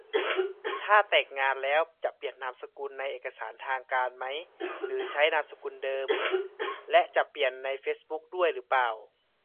ถ้าแต่งงานแล้วจะเปลี่ยนนามสกุลในเอกสารทางการไหม หรือใช้นามสกุลเดิม และจะเปลี่ยนในเฟซบุ๊กด้วยรึเปล่า